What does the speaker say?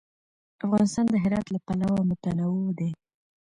افغانستان د هرات له پلوه متنوع دی.